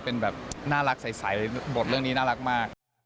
เป็นแบบนี้น่ารักใหญ่บทนี้น่ารักมาก